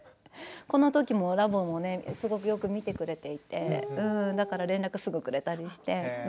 このときも「Ｌａｂ．」もすごくよく見てくれていてだから連絡をすぐくれたりして。